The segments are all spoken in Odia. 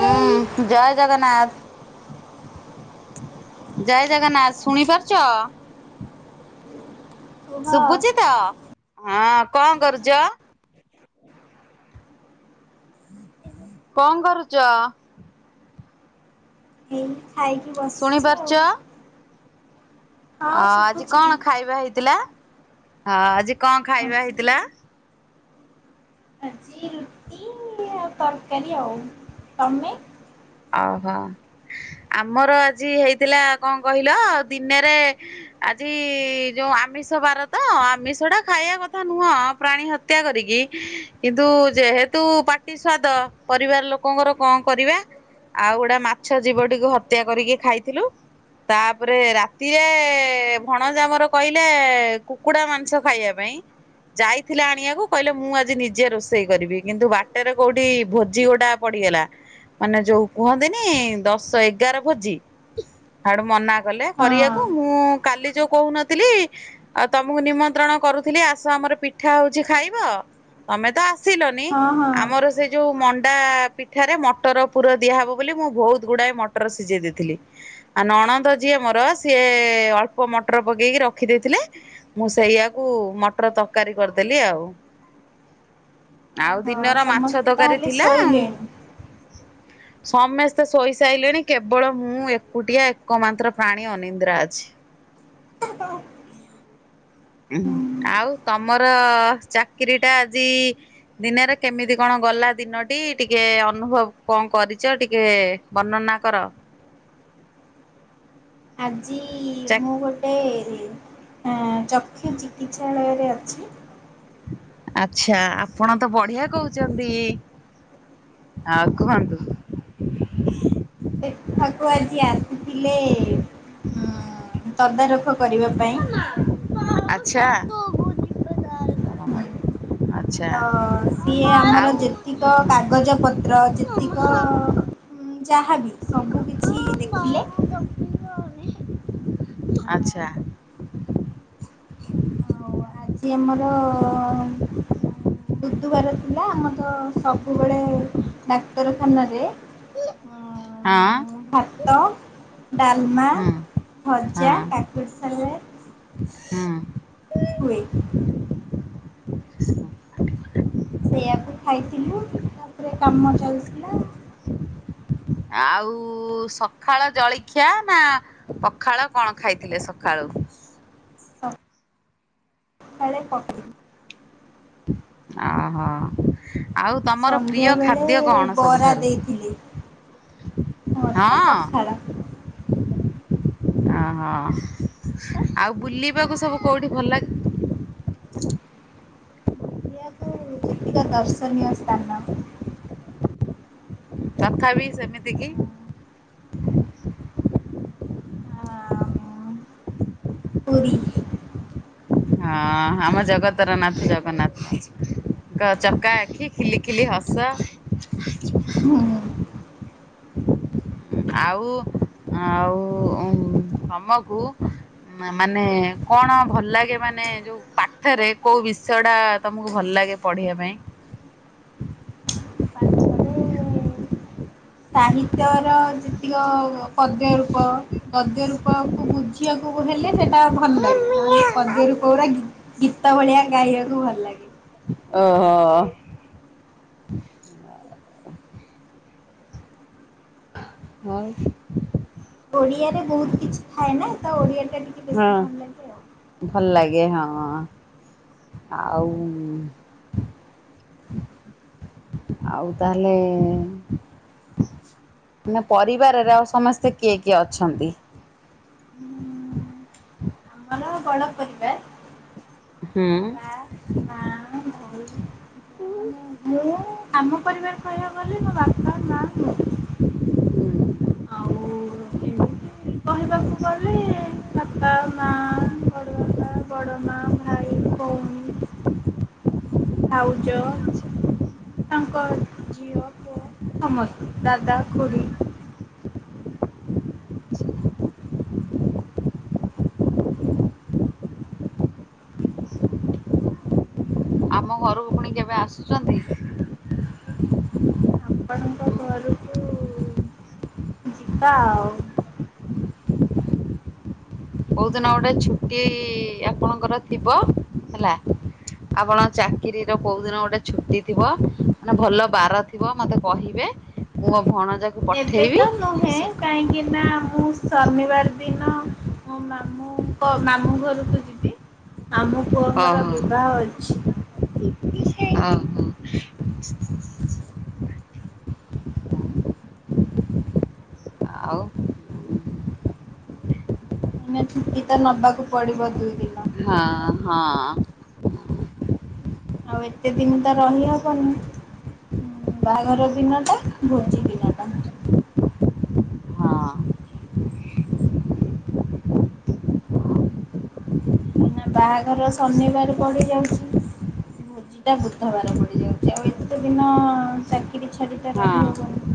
ହୁଁ ଜୟ ଜଗନ୍ନାଥ। ଜୟ ଜଗନ୍ନାଥ ଶୁଣିପାରୁଚ? କୁହ ଶୁଭୁଚି ତ ହଁ କଣ କରୁଚ? କଣ କରୁଚ? ହେଇ ଖାଇକି ଶୁଣି ବସିଚି ଆଉ। ପାରୁଛ? ହଁ ଅ ଆଜି ଶୁଭୁଛି କଣ ଖାଇବା ହେଇଥିଲା ହଁ ଆଜି କଣ ଖାଇବା ଆଜି ହେଇଥିଲା? ଆଜି ରୁଟି ଆଉ ତରକାରୀ ଆଉ ତମେ? ଓହୋ ଆମର ଆଜି ହେଇଥିଲା କଣ କହିଲ ଦିନରେ ଆଜି ଯୋଉ ଆମିଷ ବାର ତ ଆମିଷଟା ଖାଇବା କଥା ନୁହଁ ପ୍ରାଣୀ ହତ୍ ହତ୍ୟା କରିକି କିନ୍ତୁ ଯେହେତୁ ପାଟି ସ୍ବାଦ ପରିବାର ଲୋକଙ୍କର କଣ କରିବା ଆଉ ଗୋଟେ ମାଛ ଜୀବ ଟିକୁ ହତ୍ୟା କରିକି ଖାଇଥିଲୁ ତାପରେ ରାତିରେ ଭଣଜା ଆମର କହିଲେ କୁକୁଡା ମାଂସ ଖାଇବା ପାଇଁ ଯାଇଥିଲେ ଆଣିବାକୁ କହିଲେ ମୁଁ ଆଜି ନିଜେ ରୋଷେଇ କରିବି କିନ୍ତୁ ବାଟରେ କୋଉଠି ଭୋଜି ଗୋଟା ପଡିଗଲା ମାନେ ଯୋଉ କୁହନ୍ତିନି ଦଶ ଏଗାର ଭୋଜି ଆଡୁ ମନା କଲେ ହଁ କରିବାକୁ ମୁଁ କାଲି ଯୋଉ କହୁନଥିଲି ଆଉ ତମକୁ ନିମନ୍ତ୍ରଣ କରୁଥିଲି ଆସ ଆମର ପିଠା ହଉଛି ଖାଇବ ତମେ ତ ଆସ ଆସିଲନି ହଁ ହଁ ଆମର ସେ ଯୋଉ ମଣ୍ଡା ପିଠାରେ ମଟର ପ ଦିଆ ହବ ବୋଲି ମୁଁ ବହୁତ ଗୁଡାଏ ମଟର ସିଝେଇ ଦେଇଥିଲି ଆଉ ନଣନ୍ଦ ଯିଏ ମୋର ସିଏ ଅଳ୍ପ ମଟର ପକେଇକି ରଖି ଦେଇେଇଥିଲେ ମୁଁ ସେଇଆକୁ ମଟର ତରକାରୀ କରିଦେଲି ଆଉ ଆଉ ଓହୋ ଦିନର ମାଛ ସମସ୍ତେ ତରକାରୀ ତାହେଲେ ଥିଲା ଶୋଇଲେଣି ସମସ୍ତେ ଶୋଇସାରିଲେଣି କେବଳ ମୁଁ ଏକୁଟିଆ ଏକ ମାତ୍ର ପ୍ରାଣୀ ଅନିନ୍ଦ୍ରା ଅଛି ଉ ଆଉ ତମର ଚାକିରିୀ ଟା ଆଜି ଦିନରେ କେମିତି କଣ ଗଲା ଦିନଟି ଟିକେ ଅନୁଭବ କଣ କରିଛ ଟିକେ ବର୍ଣ୍ଣନା କର ଆଜି ଚା ମୁଁ ଗୋଟେ ଆ ଚକ୍ଷୁ ଚିକିତ୍ସାଳୟରେ ଅଛି ଆଛା ସେ ଆପଣ ତ ବଢିଆ କହୁଛନ୍ତି ଆ କୁହନ୍ତୁ ଠାକୁ ଆଜି ଆସିଥିଲେ ଉ ତଦାରଖ କରିବା ପାଇଁ ଆଚ୍ଛା ହୁଁ ଆଉ ଆଚ୍ଛା ତ ସିଏ ଆମର ହଁ ଯେତିକ କାଗଜପତ୍ର ଯେତିକ ଯାହାବି ସବୁ କିିଛି ଦେଖିଲେ ଆଚ୍ଛା ଆଉ ଆଜି ଆମର ବୁଧବାର ଥିଲା ଆମର ତ ସବୁବେଳେ ଡାକ୍ତରଖାନାରେ ହଁ ଭାତ ଡାଲମା ହଁ ଭଜା ହଁ କାକୁଡ଼ି ସାଲେଡ୍ ହଁ ହୁଏ ସେଇଆକୁ ଖାଇଥିଲୁ ତାପରେ କାମ ଚାଲିଥିଲା ହ ଆଉ ସକାଳ ଜଳଖିଆ ନା ପଖାଳ କଣ ଖାଇଥିଲେ ସକାଳୁ ସକାଳେ ପକ୍ ଓ ହୋ ଆଉ ତମର ପ୍ରିୟ ସନ୍ଧ୍ୟାବେଳେ ଖାଦ୍ୟ କଣ ବରା ସବୁଠାରୁ ଦେଇଥିଲେ ମୋର ତ ହଁ ପଖାଳ ଓହୋ ଆଉ ବୁଲିବାକୁ ସବୁ କୋଉଠି ଭଲ ଲାଗେ ମୋତେ ଯେତିକ ଦର୍ଶନୀୟ ସ୍ଥାନ ତଥାପି ସେମିତି କି। ପୁରୀ। ହଁ ଆମ ଜଗତର ନାଥ ଜଗନ୍ନାଥ। ଚକା ଆଖି, ଖିଲି ଖିଲି ହସ। ଆଉ ଆଉ ତମକୁ ମାନେ କଣ ଭଲ ଲାଗେ ମାନେ ପାଠରେ କୋଉ ବିଷୟ ଟା ତମକୁ ଭଲ ଲାଗେ ପଢିବା ପାଇଁ? ସାହିତ୍ୟର ଯୋ ଉ ପଦ୍ୟ ରୂପ ପଦ୍ୟ ରୂପକୁ ବୁଝିବାକୁ ହେଲେ ସେଟା ଭଲ ଲାଗେ ଓହୋ ନହେଲେ ପଦ୍ୟ ରୂପଗୁରା ଗୀତ ଭଳିଆ ଗାଇବାରୁ ଭଲ ଲାଗେ। ଓହୋଃ। [inaudible] [unintelligible] ଓଡିଆରେ ବହୁତ କିଛି ଥାଏ ନା ତ ଓଡିଆ ଟା ଟିକେ ବେଶୀ ଭଲ ଲାଗେ ଆଉ। ଭଲ ଲାଗେ ହଁ। ଆଉ ଆଉ ତାହାଲେ ପରିବାରର ଆଉ ସମସ୍ତେ କିଏ କିଏ ଅଛନ୍ତି? [inaudible] ଆମର ବଡ ପରିବାର। ହୁଁ। ବାପା [unintelligible] ଆମ ପରିବାର କହିବାକୁ ଗଲେ ମୋ ବାପା, ମା, ମୁଁ। ଆଉ ଏମିତି କହିବାକୁ ଗଲେ ବାପା, ମା, ବଡ଼ ବାପା, ବଡ଼ ମା, ଭାଇ, ଭଉଣୀ ଭାଉଜ ତାଙ୍କ ଝିଅ, ପୁଅ ସମସ୍ତେ ଦାଦା, ଖୁଡି ଆମ ଘରକୁ ପୁଣି କେବେ ଆସୁଛନ୍ତି? ଆପଣଙ୍କ ଘରକୁ ଯିବା ଆଉ। କୋଉ ଦିନ ଗୋଟେ ଛୁଟି ଆପଣଙ୍କର ଥିବ ହେଲା ଆପଣ ଚାକିରୀର କୋଉ ଦିନ ଗୋଟେ ଛୁଟି ଥିବ ମାନେ ଭଲ ବାର ଥିବ ମତେ କହିବେ ମୁଁ ମୋ ଭଣଜାକୁ ଏବେ ପଠେଇବି ତ ନୁହେଁ କାହିଁକି ନା ମୁଁ ଶନିବାର ଦିନ ମୋ ମାମୁଁଙ୍କ ମାମୁଁ ଘରକୁ ଯିବି। ଆମ ପୁଅଙ୍କର ଓହୋ ବିବାହ ଅଛି। [unintelligible] ଆଉ? ମତେ ଛୁଟି ତ ନବାକୁ ପଡିବ ଦୁଇ ଦିନ। ହଁ ହଁ। ଆଉ ଏତେ ଦିନ ତ ରହିହବନି। ବାହାଘର ଦିନ ଟା, ଆଚ୍ଛା ଭୋଜି ଦିନ ଟା। ହଁ କାହିଁକି ନା ବାହାଘର ଶନିବାରେ ପଡି ଯାଉଛି। ଭୋଜି ଟା ବୁଧବାରେ ପଡିଯାଉଛି। ଆଉ ଏତେ ଦିନ ଚାକିରିୀ ଛାଡି ତ ହଁ ରହିହବନି।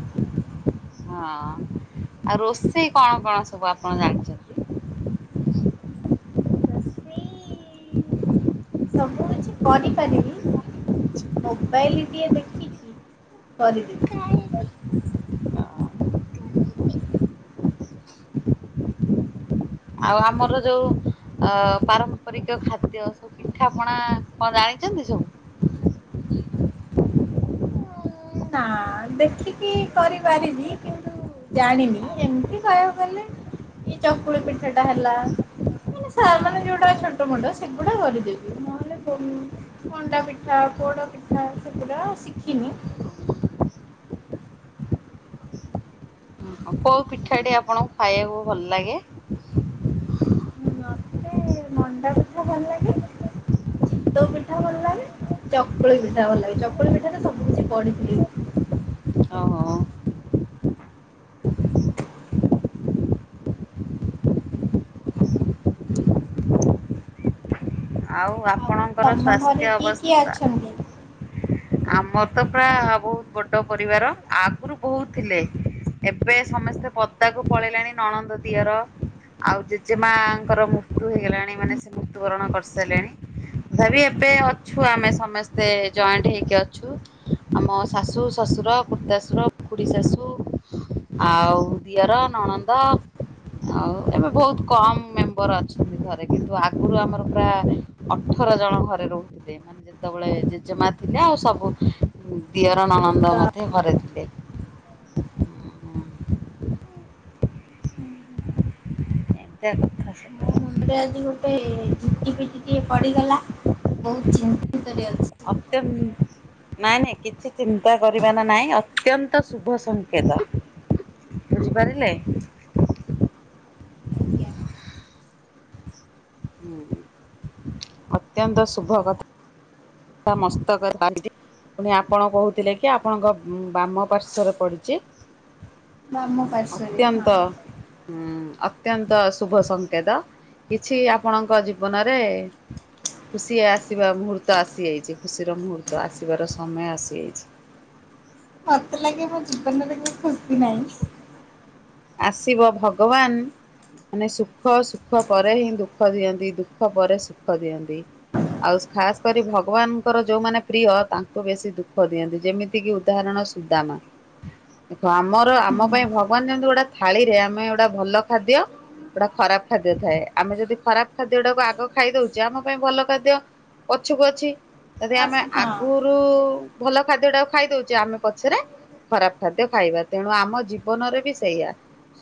ହଁ। ଆଉ ରୋଷେଇ କଣ କଣ ସବୁ ଆପଣ ଜାଣିଛନ୍ତି? ରୋଷେଇ ସବୁ କିଛି କରିପାରିବି ମୋବାଇଲଟିଏ ଦେଖିକି। କରିଦେ। ଆଉ ଆମର ଯୋଉ ଅ ପାରମ୍ପରିକ ଖାଦ୍ୟ ସବୁ। ପିଠାପଣା କଣ ଜାଣିଛନ୍ତି ସବୁ। ନାଁ ଦେଖିକି କରିପାରିବି କିନ୍ତୁ। ଜାଣିନି ଏମିତି କହିବାକୁ ଗଲେ ଏଇ ଚକୁଳି ପିଠା ଟା ହେଲା। ମାନେ ସାର୍ ମାନେ ଯୋଉଟା ଛୋଟ ମୁଣ୍ଡ ସେଗୁଡା କରିଦେବି ନହେଲେ କହୁନ। ମଣ୍ଡା ପିଠା ପୋଡ ପିଠା ସେଗୁଡା ଶିଖିନି। କୋଉ ପିଠାଟି ଆପଣଙ୍କୁ ଖାଇବାକୁ ଭଲ ଲାଗେ? ହୁଁ ମତେ ମଣ୍ଡା ପିଠା ଭଲ ଲାଗେ। ଚିତଉ ପିଠା ଭଲ ଲାଗେ ଚକୁଳି ପିଠା ଭଲ ଲାଗେ ଚକୁଳି ପିଠାଟା ସବୁ କିିଛି ପଡିଥିଲେ। ଓ ହଉ। ଆଉ ଆପଣଙ୍କର ତମ ଘରେ ସ୍ୱାସ୍ଥ୍ୟ କିଏ କିଏ ଅବସ୍ଥା। ଅଛନ୍ତି? ଆମର ତ ପୁରା ବହୁତ ବଡ ପରିବାର ଆଗରୁ ବହୁତ ଥିଲେ। ଏବେ ସମସ୍ତେ ପଦାକୁ ପଳେଇଲେଣି ନଣନ୍ଦ ଦତିଆର। ଆଉ ଜେଜେ ମାଙ୍କର ମୃତ୍ୟୁ ହେଇଗଲାଣି ମାନେ ସେ ମୃତ୍ୟୁବରଣ କରିସାରିଲେଣି। ତଥାପି ଏବେ ଅଛୁ ଆମେ ସମସ୍ତେ ଜଏଣ୍ଟ ହେଇକି ଅ ଛୁ ଆମ ଶାଶୁ ଶଶୁର ଖୁର୍ତାଶୁର ଖୁଡୀଶାଶୁ। ଆଉ ଦିଅର ନଣନ୍ଦ। ଏବେ ବହୁତ କମ ମେମ୍ବର ଅଛନ୍ତି ଘରେ କିନ୍ତୁ ଆଗରୁ ଆମର ପୁରା। ଅଠର ଜଣ ଘରେ ରହୁଥିଲେ ମାନେ ଯେତେବେଳେ ଜେଜେମା ଥିଲେ ଆଉ ସବୁ। ଦଅର ନଣନ୍ଦ ମଧ୍ୟ ଘରେ ଥିଲେ। ଏନ୍ତିଆ କଥା ମୋ ସବୁ ଆଉ। ମୁଣ୍ଡରେ ଆଜି ଗୋଟେ ଝିଟି ପିଟି ଟିକେ ପଡିଗଲା ବହୁତ ଚିନ୍ତିନ୍ତରେ ଅଛି। ଅତ୍ୟନ୍ ନାଇଁ ନାଇଁ କିଛି ଚିନ୍ତା କରିବର ନାଇଁ ଅତ୍ୟନ୍ତ ଶୁଭ ସଂକେତ। ବୁଝିପାରିଲେ। ଆଜ୍ଞା। ହୁଁ ଅତ୍ୟନ୍ତ ଶୁଭ କଥା। ମସ୍ତ କରେ ଆଜି। ପୁଣି ଆପଣ କହୁଥିଲେ କି ଆପଣଙ୍କ ବାମ ପାର୍ଶ୍ଵରେ ପଡିଛି। ବାମ ପାର୍ଶ୍ଵରେ ହଁ ଅତ୍ୟନ୍ତ। ହୁଁ ଅତ୍ୟନ୍ତ ଶୁଭ ସଂକେତ କିଛି ଆପଣଙ୍କ ଜୀବନରେ। ଖୁସି ଆସିବା ମୁହୂର୍ତ୍ତ ଆସିଯାଇଛି ଖୁସିର ମୁହୂର୍ତ୍ତ ଆସିବାର ସମୟ ଆସିଯାଇଛି। ମତେ ଲାଗେ ମୋ ଜୀବନରେ କେବେ ଖୁସି ନାହିଁ। ଆସିବ ଭଗବାନ। ମାନେ ସୁଖ ସୁଖ ପରେ ହିଁ ଦୁଃଖ ଦିଅନ୍ତି ଦୁଃଖ ପରେ ସୁଖ ଦିଅନ୍ତି। ଆଉ ଖାସ କରି ଭଗବାନଙ୍କର ଯୋଉମାନେ ପ୍ରିୟ ତାଙ୍କୁ ବେଶୀ ଦୁଃଖ ଦିଅନ୍ତି ଯେମିତି କିି ଉଦାହରଣ। ସୁଦାମା ଦେଖ ଆମର ଆମ ପାଇଁ ଭ ବାନ ଗୋଟେ ଥାଳି ରେ ଆମେ ଗୋଟା ଭଲ ଖାଦ୍ୟ। ଗୋଟା ଖରାପ ଖାଦ୍ୟ ଥାଏ ଆମେ ଯଦି ଖରାପ ଖାଦ୍ୟ ଟାକୁ ଆଗ ଖାଇ ଦଉଛେ ଆମ ପାଇଁ ଭଲ ଖାଦ୍ୟ। ପଛକୁ ଅଛି। ଯଦି ଆମେ ଆସ ହଁ ଆଗରୁ ଭଲ ଖାଦ୍ୟ ଟାକୁ ଖାଇଦଉଛେ ଆମେ ପଛରେ। ଖରାପ ଖାଦ୍ୟ ଖାଇବା ତେଣୁ ଆମ ଜୀବନରେ ବି ସେଇଆ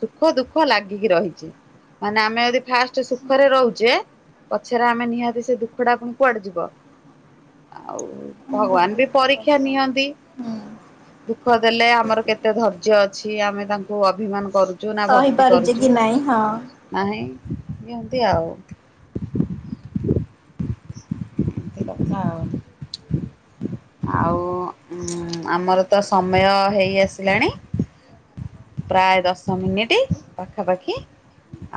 ସୁଖ ଦୁଃଖ ଲାଗିକି ରହିଛି। ମାନେ ଆମେ ଯଦି ଫାଷ୍ଟ ସୁଖରେ ରହୁଛେ, ପଛରେ ଆମେ ନିହାତି ସେ ଦୁଃଖଟା ପୁଣି କୁଆଡେ ଯିବ, ଆଉ ହୁଁ ଭଗବାନ ବି ଭୋଗିବାକୁ ତ ପରୀକ୍ଷା ନିଅନ୍ତି, ପଡ଼ିବ। ଦୁଃଖ ଦେଲେ ଆମର କେତେ ଧୈର୍ଯ୍ୟ ଅଛି ଆମେ ତାଙ୍କୁ ଅଭିମାନ କରୁ, ଚୁନା ଭକ୍ତି ସହିପାରୁଛି କରୁଛୁ, କି ନାଇଁ ହଁ ନାହିଁ ଯେମିତି ଆଉ, କଥା ଆଉ, ଆଉ ଉଁ ଆମର ତ ସମୟ ହେଇ ଆସିଲାଣି, ପ୍ରାୟ ଦଶ ମିନିଟି ପାଖାପାଖି,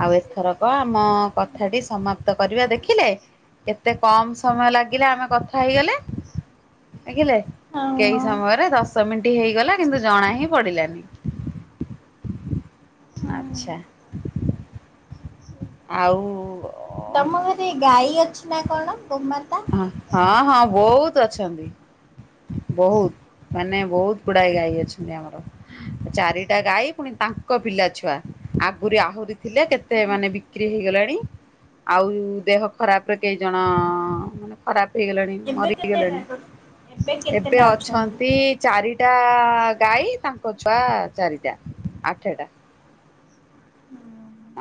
ଆଉ ଏଥର କଁ ଆମ କଥାଟି ସମାପ୍ତ କରିବା ଦେଖିଲେ, କେତେ କମ ସମୟ ଲାଗିଲା ଆମେ କଥା ହେଇଗଲେ, ଦେଖିଲେ ହଁ କେହି ହଁ। ସମୟରେ ଦଶ ମିନିଟି ହେଇଗଲା କିନ୍ତୁ ଜଣା ହିଁ ପଡ଼ିଲାନି, ଆଚ୍ଛା, ଆଉ, ତମ ଘରେ ଗାଈ ଅଛି ନା କଣ ଗୋଉ ମାତା? ହଁ-ହଁ-ହଁ ବହୁତ୍ ଅଛନ୍ତି, ବହୁତ୍ ମାନେ ବହୁତ୍ ଗୁଡାଏ ଗାଈ ଅଛନ୍ତି ଆମର, ଚାରିଟା ଗାଈ ପୁଣି ତାଙ୍କ ପିଲା ଛୁଆ, ଆଗୁରି ଆହୁରି ଥିଲେ କେତେ ମାନେ ବିକ୍ରି ହେଇଗଲାଣି, ଆଉ ଦେହ ଖରାପ୍ ପେ କେେଇ ଜଣ, ମାନେ ଖରାପ୍ ହେଇଗଲାଣି ଏବେ କେତେଟା ମରିଗଲେଣି ଏବେ ଅଛନ୍ତି, ଚାରିଟା ଗାଈ ତାଙ୍କ ଛୁଆ ଚାରିଟା ଆଠେଟା,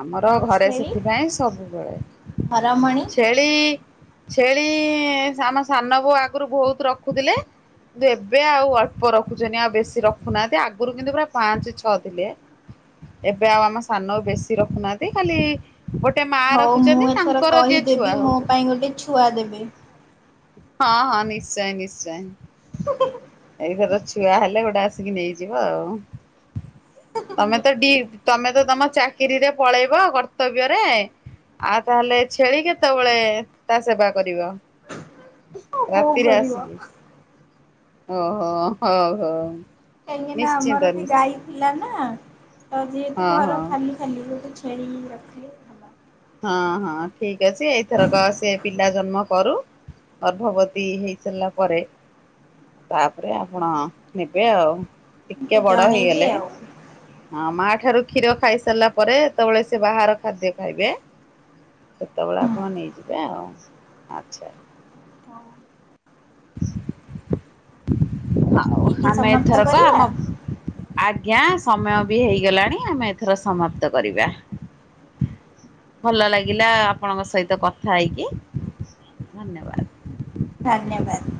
ଆମର ଆଉ ଘରେ ଛେଳି ସେଥିପାଇଁ ସବୁବେଳେ ସେ, ଘରମଣି ଛେଳି-ଛେଳି ଆମ ସାନକୁ ଆଗରୁ ବହୁତ୍ ରଖୁଥିଲେ, କିନ୍ତୁ ଏବେ ଆଉ ଅଳ୍ପ ରଖୁଛନ୍ତି ଆଉ ବେଶୀ ରଖୁନାହାନ୍ତି ଆଗରୁ କିନ୍ତୁ ପ୍ରାୟ ପାଞ୍ଚ ଛଅ ଥିଲେ, ଏବେ ଆଉ ଆମ ସାନ ବେଶୀ ରଖୁନାହାନ୍ତି ଖାଲି, ଗୋଟେ ମା ହଉ ମୁଁ ରଖିଛନ୍ତି ଏଥର ତାଙ୍କର ଯିଏ କହିଦେବି ଛୁଆ ମୋ ହଉଛନ୍ତି, ପାଇଁ ଗୋଟେ ଛୁଆ ଦେବେ। ହଁ-ହଁ ନିଶ୍ଚ-ନିଶ୍ଚୟ, ଏଇ ଘର ଛୁଆ ହେଲେ ଗୋଟେ ଆସିକି ନେଇଯିବ ଆଉ, ତମେ ତ ଡି ତମେ ତ ତମ ଚାକିରୀରେ ପଳେଇବ କର୍ତ୍ତବ୍ୟରେ, ଆଉ ତାହେଲେ ଛେଳି କେତେବେଳେ ତା ସେବା କରିବ, ମୋ ବୋଉ ରାତିରେ କରିବ ଆସିକି, ଓହୋ ହଉ-ହଉ, ଇନା ଆମର ବି ଗାଈ, ଥିଲା ନା ତ ଯେହେତୁ ହଁ ଘର ହଁ ଖାଲି-ଖାଲି ଗୋଟେ ଛେଳିିକ ରଖିଲି, ହଁ-ହଁ ଠିକ୍ ଅଛି ଏଇଥରକ ସେ ପିଲା ଜନ୍ମ କରୁ, ଗର୍ଭବତୀ ହେଇ ସାରିଲା ପରେ, ତାପରେ ଆପଣ ନେବେ ଆଉ ମତେ ଟିକେ ବଡ଼ ଜଣେଇବେ ହେଇଗଲେ, ଆଉ। ହଁ ମା ଠାରୁ କ୍ଷୀର ଖାଇସାରିଲା ପରେ ଯେତେବେଳେ ସେ ବାହାର ଖାଦ୍ୟ ଖାଇବେ, ସେତେବେଳେ ଆପଣ ନେଇଯିବେ ଆଉ ଆଚ୍ଛା, ଆଉ ଏଇଠି ଆମେ ସମାପ୍ତ ଏଥର କ କରିବା ଆମ, ଆଜ୍ଞା ସମୟ ବି ହେଇଗଲାଣି ଆମେ ଏଥର ସମାପ୍ତ କରିବା, ଭଲ ଲାଗିଲା ଆପଣଙ୍କ ସହିତ କଥା ହେଇକି ଧନ୍ୟବାଦ, ଆଜ୍ଞା ମେମ୍,